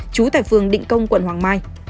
trú tại phường định công quận hoàng mai